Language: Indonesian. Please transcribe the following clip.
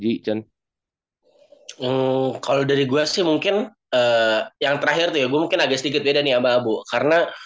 gue mungkin agak sedikit beda nih sama abu karena kalau dari gue sih mungkin yang terakhir gue mungkin agak sedikit beda nih sama abu karena